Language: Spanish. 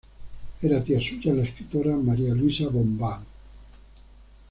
Era tía suya la escritora María Luisa Bombal.